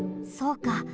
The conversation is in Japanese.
そうか。